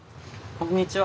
こんにちは。